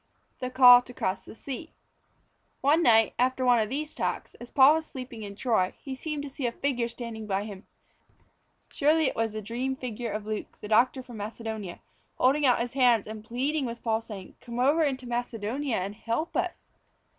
" The Call to Cross the Sea. One night, after one of these talks, as Paul was asleep in Troy, he seemed to see a figure standing by him. Surely it was the dream figure of Luke, the doctor from Macedonia, holding out his hands and pleading with Paul, saying, "Come over into Macedonia and help us."